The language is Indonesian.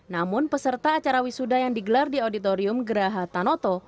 namun peserta acara wisuda yang digelar di auditorium geraha tanoto